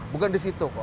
bukan di situ kok